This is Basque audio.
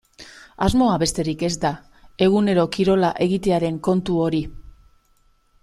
Asmoa besterik ez da egunero kirola egitearen kontu hori.